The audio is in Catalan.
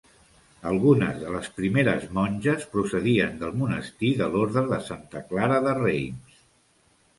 Algunes de les primeres monges procedien del monestir de l'orde de Santa Clara de Reims.